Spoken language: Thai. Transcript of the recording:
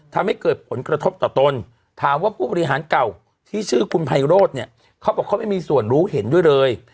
ทำให้เกิดผลกระทบต่อตนถามว่าผู้บริหารเก่าที่ชื่อคุณไพโรธเนี่ยเขาบอกเขาไม่มีส่วนรู้เห็นด้วยเลย